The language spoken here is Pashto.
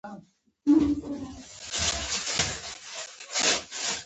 احمد محض شپې تېروي؛ غريب هيڅ شی نه لري.